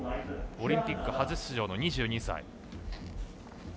オリンピック初出場の２２歳。